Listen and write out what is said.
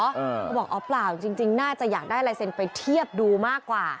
เขาบอกอ๋อเปล่าจริงน่าจะอยากได้ลายเซ็นต์ไปเทียบดูมากกว่า